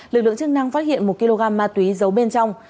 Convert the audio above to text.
lực lượng chức năng phát hiện một kg ma túy giấu bên trong